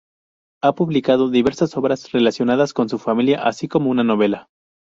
Ha publicado diversas obras relacionadas con su familia así como una novela.